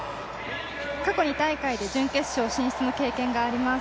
過去２大会で準決勝進出の経験があります。